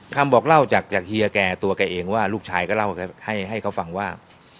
บอกเล่าจากเฮียแกตัวแกเองว่าลูกชายก็เล่าให้เขาฟังว่า